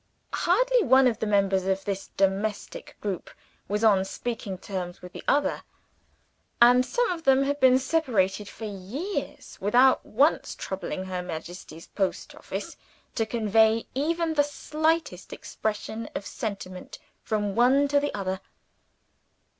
Hardly one of the members of this domestic group was on speaking terms with the other. And some of them had been separated for years, without once troubling Her Majesty's Post Office to convey even the slightest expression of sentiment from one to the other.